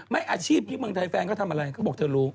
อาชีพที่เมืองไทยแฟนเขาทำอะไรเขาบอกเธอรู้